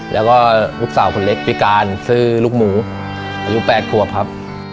แล้วก็ลูกสาวคนเล็กพิการชื่อลูกหมูอายุ๘ขวบครับ